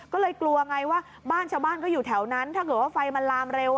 ก็เลยกลัวไงว่าบ้านชาวบ้านก็อยู่แถวนั้นถ้าเกิดว่าไฟมันลามเร็ว